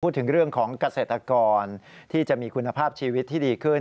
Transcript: พูดถึงเรื่องของเกษตรกรที่จะมีคุณภาพชีวิตที่ดีขึ้น